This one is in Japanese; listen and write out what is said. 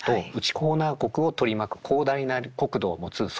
ホーナー国を取り巻く広大な国土を持つ外